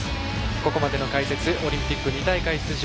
ここまでの解説オリンピック２大会出場